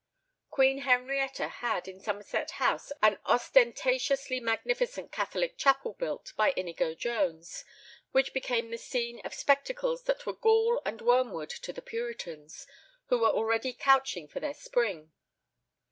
Queen Henrietta had, in Somerset House, an ostentatiously magnificent Catholic chapel built by Inigo Jones, which became the scene of spectacles that were gall and wormwood to the Puritans, who were already couching for their spring.